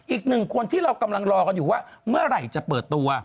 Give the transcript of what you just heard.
อีกหนึ่งคนที่เรากำลังรอกันอยู่ว่าเมื่อไหร่จะเปิดตัว